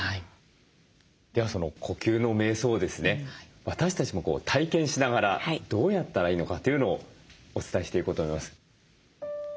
ではその呼吸のめい想をですね私たちも体験しながらどうやったらいいのかというのをお伝えしていこうと思います。